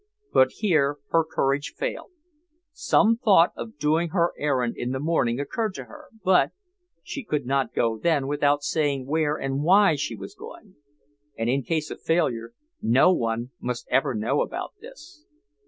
But here her courage failed. Some thought of doing her errand in the morning occurred to her, but she could not go then without saying where and why she was going. And in case of failure no one must ever know about this....